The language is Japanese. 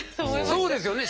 そうですよね。